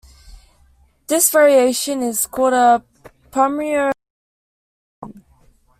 This variation is called a Pummerer fragmentation.